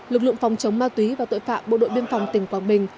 lực lượng phòng chống ma túy và tội phạm bộ đội biên phòng tỉnh quảng bình